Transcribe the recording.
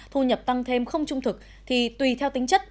thu nhập tăng thêm không trung thực thì tùy theo tính chất